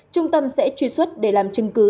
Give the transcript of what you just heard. trung tâm sẽ truy xuất để làm chứng cứ